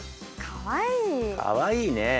かわいいねえ。